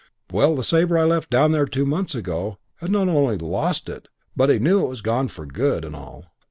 Well, the Sabre I left down there two months ago had not only lost it, but knew it was gone for good and all.